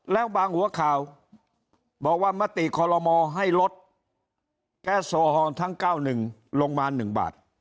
แล้วบางหัวข่าวบอกว่ามติคอลโลมอให้ลดแก๊สโซฮอลทั้ง๙๑ลงมา๑บาท